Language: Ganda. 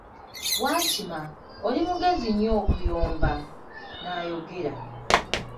Wankima, oli mugezi nnyo okuyomba, n'ayogera.